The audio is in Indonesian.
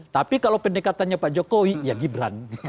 tapi kalau pendekatannya pak jokowi ya gibran